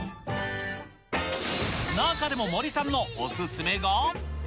中でも森さんのお勧めが。